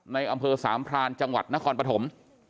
ในอำเภอสามพรานจังหวัดนครปฐม